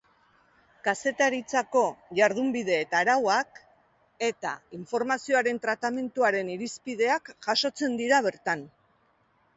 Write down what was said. Kazetaritzako jardunbide eta arauak eta informazioaren tratamenduaren irizpideak jasotzen dira bertan.